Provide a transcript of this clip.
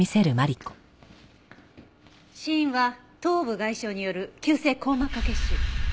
死因は頭部外傷による急性硬膜下血腫。